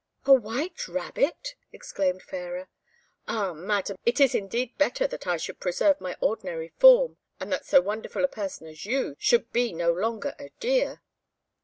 "A white rabbit!" exclaimed Fairer. "Ah, Madam, it is indeed better that I should preserve my ordinary form, and that so wonderful a person as you should be no longer a deer."